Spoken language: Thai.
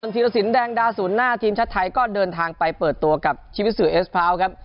ส่วนธีรศิลป์แดงดาสุนหน้าทีมชัดไทยก็เดินทางไปเปิดตัวกับชิมิสุเอสพร้าวท์ครับ